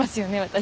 私。